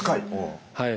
はい。